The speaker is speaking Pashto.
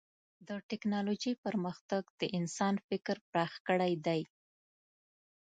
د ټکنالوجۍ پرمختګ د انسان فکر پراخ کړی دی.